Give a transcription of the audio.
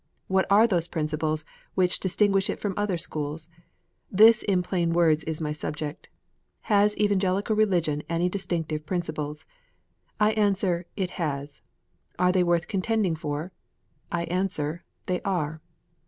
What are those principles which distinguish it from other schools ? This in plain words is my subject, Has Evangelical Religion any distinctive principles? I answer, it has. Are they worth contending for ? I answer, they are.